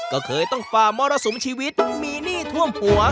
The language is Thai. ก็เคยต้องฝ่ามรสุมชีวิตมีหนี้ท่วมหัว